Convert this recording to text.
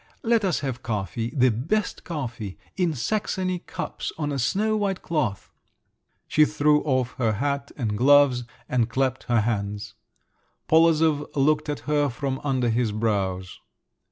Let us have coffee—the best coffee—in Saxony cups on a snow white cloth!" She threw off her hat and gloves, and clapped her hands. Polozov looked at her from under his brows.